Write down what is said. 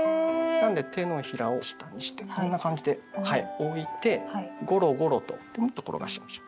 なんで手のひらを下にしてこんな感じで置いてゴロゴロと転がしましょう。